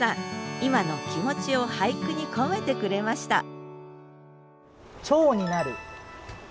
今の気持ちを俳句に込めてくれましたお。